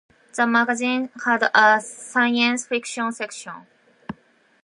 The magazine had a science fiction section.